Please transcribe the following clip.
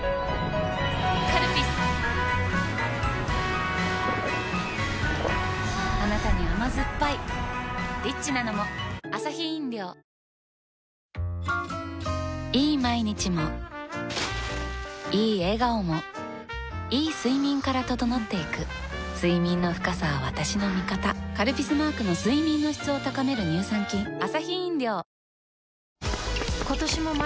カルピスはぁあなたに甘ずっぱいいい毎日もいい笑顔もいい睡眠から整っていく睡眠の深さは私の味方「カルピス」マークの睡眠の質を高める乳酸菌・あ！